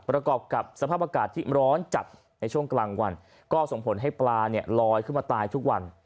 ประกอบกับสภาพอากาศที่ร้อนจัดในช่วงกลางวันก็ส่งผลให้ปลาเนี่ยลอยขึ้นมาตายทุกวัน